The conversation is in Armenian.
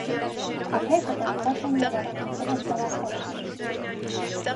Ափերը կտրտված են և առաջացել են ծովախորշեր։